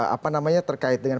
apa namanya terkait dengan